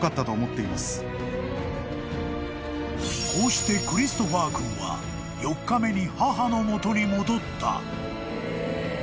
［こうしてクリストファー君は４日目に母の元に戻った］